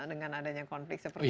dengan adanya konflik seperti ini